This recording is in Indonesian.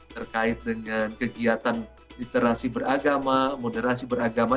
terkait dengan kegiatan literasi beragama moderasi beragama